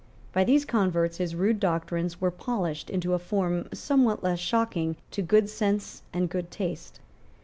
By these converts his rude doctrines were polished into a form somewhat less shocking to good sense and good taste.